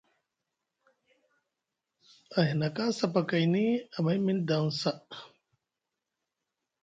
Ahinaka sapakayni amay miŋ daŋ saa.